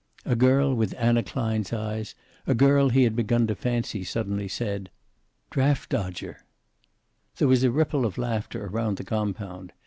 A girl with Anna Klein's eyes, a girl he had begun to fancy, suddenly said, "Draft dodger!" There was a ripple of laughter around the compound.